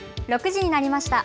６時になりました。